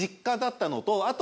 あと。